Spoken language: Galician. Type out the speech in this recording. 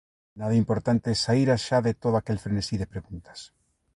Nada importante saíra xa de todo aquel frenesí de preguntas.